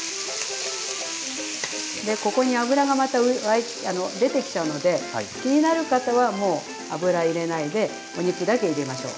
ここに脂がまた出てきちゃうので気になる方はもう脂入れないでお肉だけ入れましょう。